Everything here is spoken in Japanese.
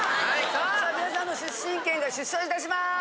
さあ皆さんの出身県が出走いたします。